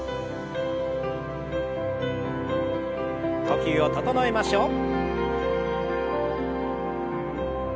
呼吸を整えましょう。